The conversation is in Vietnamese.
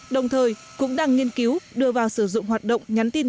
đồng thời cũng đang nghiên cứu đưa vào sử dụng hoạt động nhắn tin